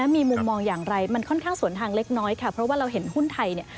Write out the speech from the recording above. มีมุมมองอย่างไรมันค่อนข้างสวนทางเล็กน้อยค่ะเพราะว่าเราเห็นหุ้นไทยเนี่ย